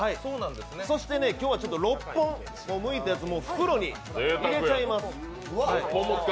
そして今日は６本向いたやつをもう袋に入れちゃいます。